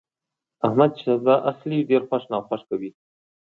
احمد چې سودا اخلي، ډېر خوښ ناخوښ کوي.